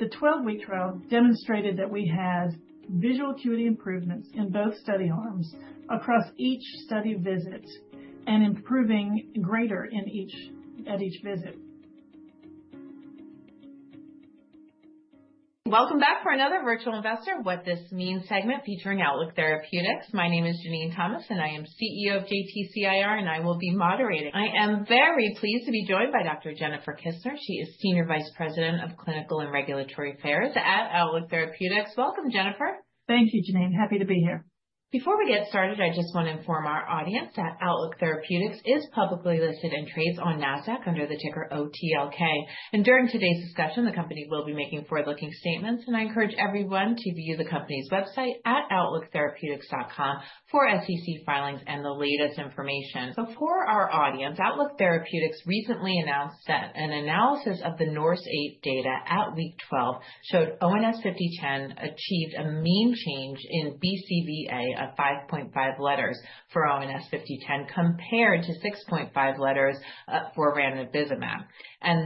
The 12-week trial demonstrated that we had visual acuity improvements in both study arms across each study visit and improving greater at each visit. Welcome back for another Virtual Investor, What This Means segment featuring Outlook Therapeutics. My name is Janene Thomas, and I am CEO of JTCIR, and I will be moderating. I am very pleased to be joined by Dr. Jennifer Kissner. She is Senior Vice President of Clinical and Regulatory Affairs at Outlook Therapeutics. Welcome, Jennifer. Thank you, Janene. Happy to be here. Before we get started, I just want to inform our audience that Outlook Therapeutics is publicly listed and trades on Nasdaq under the ticker OTLK. During today's discussion, the company will be making forward-looking statements. I encourage everyone to view the company's website at outlooktherapeutics.com for SEC filings and the latest information. For our audience, Outlook Therapeutics recently announced that an analysis of the NORSE-8 data at week 12 showed ONS-5010 achieved a mean change in BCVA of 5.5 letters for ONS-5010 compared to 6.5 letters for ranibizumab.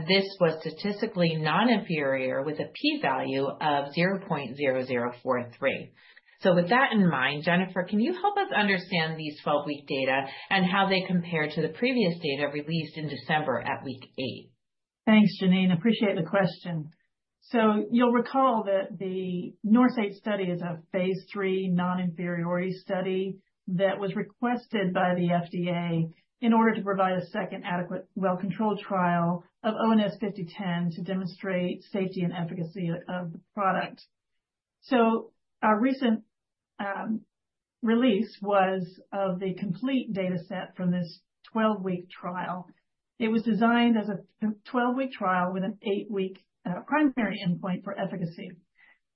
This was statistically non-inferior with a p-value of 0.0043. With that in mind, Jennifer, can you help us understand these 12-week data and how they compare to the previous data released in December at week eight? Thanks, Janene. Appreciate the question. So, you'll recall that the NORSE-8 study is a phase three non-inferiority study that was requested by the FDA in order to provide a second adequate well-controlled trial of ONS-5010 to demonstrate safety and efficacy of the product. So, our recent release was of the complete data set from this 12-week trial. It was designed as a 12-week trial with an eight-week primary endpoint for efficacy.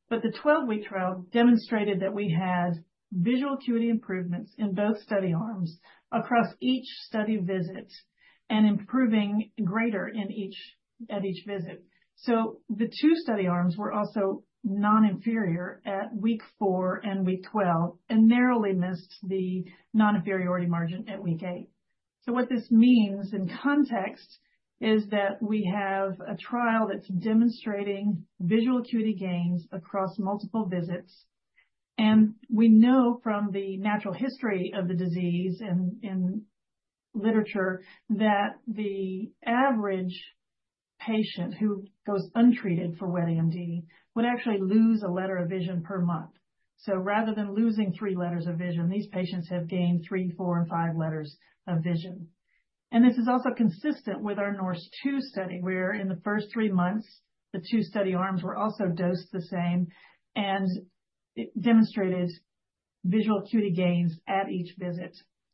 But the 12-week trial demonstrated that we had visual acuity improvements in both study arms across each study visit and improving greater at each visit. So, the two study arms were also non-inferior at week four and week 12 and narrowly missed the non-inferiority margin at week eight. So, what this means in context is that we have a trial that's demonstrating visual acuity gains across multiple visits. We know from the natural history of the disease and literature that the average patient who goes untreated for wet AMD would actually lose a letter of vision per month. So, rather than losing three letters of vision, these patients have gained three, four, and five letters of vision. And this is also consistent with our NORSE-2 study where in the first three months, the two study arms were also dosed the same and demonstrated visual acuity gains at each visit.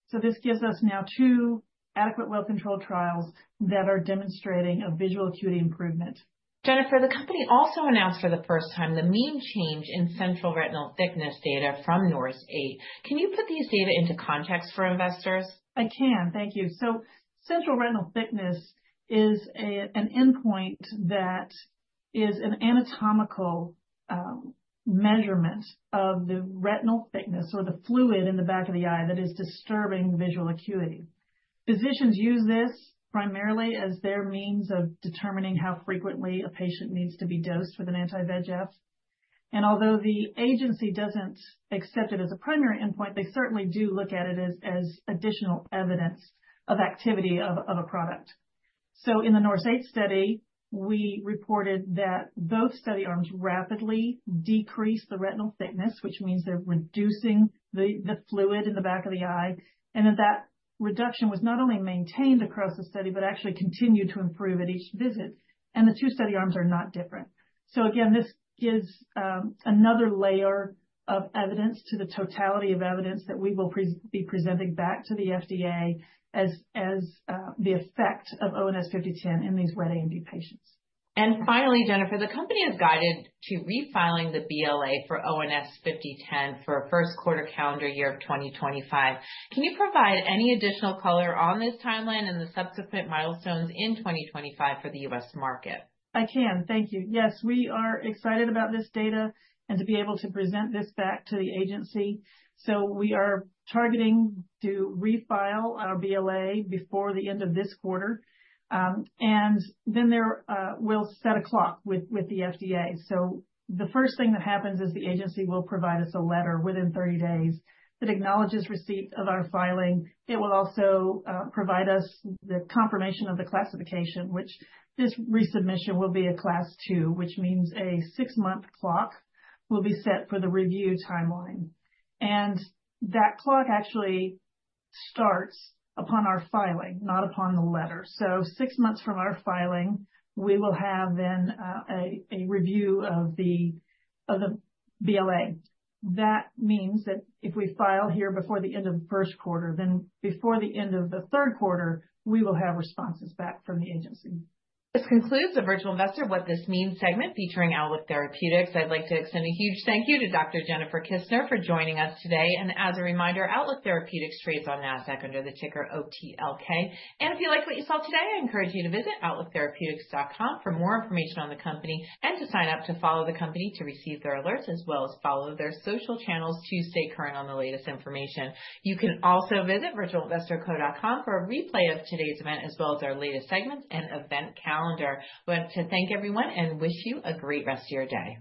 So, this gives us now two adequate well-controlled trials that are demonstrating a visual acuity improvement. Jennifer, the company also announced for the first time the mean change in central retinal thickness data from NORSE-8. Can you put these data into context for investors? I can. Thank you. So, central retinal thickness is an endpoint that is an anatomical measurement of the retinal thickness or the fluid in the back of the eye that is disturbing visual acuity. Physicians use this primarily as their means of determining how frequently a patient needs to be dosed with an anti-VEGF. And although the agency doesn't accept it as a primary endpoint, they certainly do look at it as additional evidence of activity of a product. So, in the NORSE-8 study, we reported that both study arms rapidly decreased the retinal thickness, which means they're reducing the fluid in the back of the eye, and that that reduction was not only maintained across the study but actually continued to improve at each visit. And the two study arms are not different. So, again, this gives another layer of evidence to the totality of evidence that we will be presenting back to the FDA as the effect of ONS-5010 in these wet AMD patients. Finally, Jennifer, the company has guided to refiling the BLA for ONS-5010 for Q1 calendar year of 2025. Can you provide any additional color on this timeline and the subsequent milestones in 2025 for the U.S. market? I can. Thank you. Yes, we are excited about this data and to be able to present this back to the agency. So, we are targeting to refile our BLA before the end of this quarter. And then we'll set a clock with the FDA. So, the first thing that happens is the agency will provide us a letter within 30 days that acknowledges receipt of our filing. It will also provide us the confirmation of the classification, which this resubmission will be a Class 2, which means a six-month clock will be set for the review timeline. And that clock actually starts upon our filing, not upon the letter. So, six months from our filing, we will have then a review of the BLA. That means that if we file here before the end of the Q1, then before the end of the Q3, we will have responses back from the agency. This concludes the Virtual Investor, What This Means segment featuring Outlook Therapeutics. I'd like to extend a huge thank you to Dr. Jennifer Kissner for joining us today. And as a reminder, Outlook Therapeutics trades on Nasdaq under the ticker OTLK. And if you liked what you saw today, I encourage you to visit outlooktherapeutics.com for more information on the company and to sign up to follow the company to receive their alerts as well as follow their social channels to stay current on the latest information. You can also visit virtualinvestorco.com for a replay of today's event as well as our latest segments and event calendar. I want to thank everyone and wish you a great rest of your day.